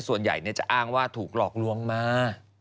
ส่วนใหญ่จะอ้างว่าถูกหลอกลวงมา